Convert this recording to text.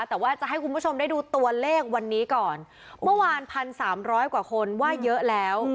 แต่ว่าจะให้คุณผู้ชมได้ดูตัวเลขวันนี้ก่อนเมื่อวานพันสามร้อยกว่าคนว่าเยอะแล้ว